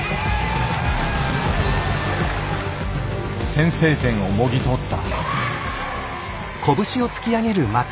先制点をもぎ取った。